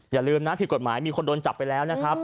อย่าลืมนะผิดกฎหมายมีคนโดนจับไปแล้วนะครับ